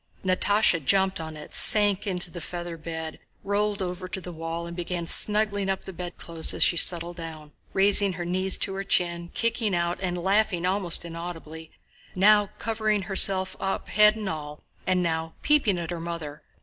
Natásha jumped on it, sank into the feather bed, rolled over to the wall, and began snuggling up the bedclothes as she settled down, raising her knees to her chin, kicking out and laughing almost inaudibly, now covering herself up head and all, and now peeping at her mother.